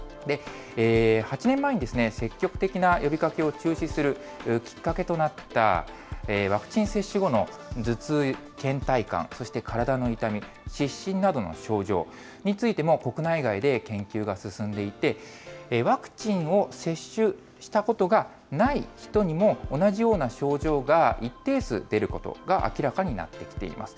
８年前にですね、積極的な呼びかけを中止するきっかけとなったワクチン接種後の頭痛、けん怠感、そして体の痛み、失神などの症状についても、国内外で研究が進んでいて、ワクチンを接種したことがない人にも、同じような症状が一定数出ることが明らかになってきています。